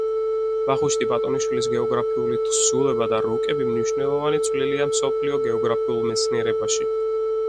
ვახუშტი ბატონიშვილის გეოგრაფიული თხზულება და რუკები მნიშვნელოვანი წვლილია მსოფლიო გეოგრაფიულ მეცნიერებაში.